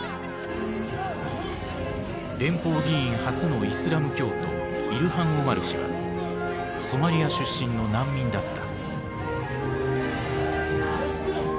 連邦議員初のイスラム教徒イルハン・オマル氏はソマリア出身の難民だった。